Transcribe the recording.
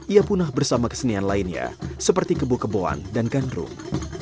ia punah bersama kesenian lainnya seperti kebu keboan dan gandrung